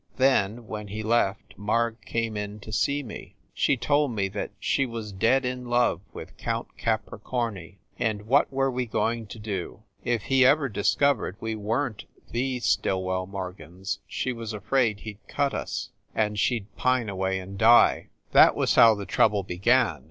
Then, when he left, Marg came in to see me. She told me she was dead in love with Count Capricorni, and what were we going to do? If he ever discovered we weren t the Still well Morgans she was afraid he d cut us, and she d pine away and die. That was how the trouble began.